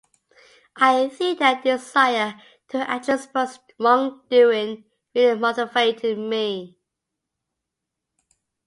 I think that desire to actually expose wrong-doing really motivated me.